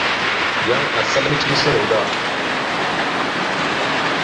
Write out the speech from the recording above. Yan asal mecəle shuŋgo da.